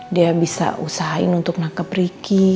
dia bisa usahain untuk nangkep ricky